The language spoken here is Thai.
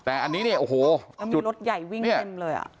แต่อันนี้เนี่ยโอ้โหแล้วมีรถใหญ่วิ่งเต็มเลยอ่ะ